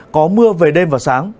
có mưa về đêm và sáng